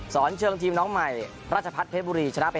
สอนเชิงทีมน้องใหม่ราชพัฒนเพชรบุรีชนะไป